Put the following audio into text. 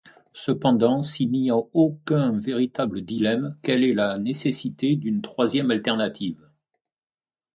Cependant, s'il n'y a aucun véritable dilemme, quelle est la nécessité d'une troisième alternative?